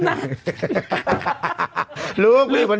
ให้ท่านถอยผมไป